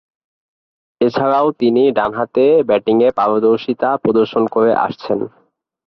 এছাড়াও, তিনি ডানহাতে ব্যাটিংয়ে পারদর্শীতা প্রদর্শন করে আসছেন।